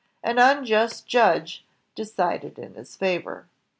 An unjust judge decided in his favor.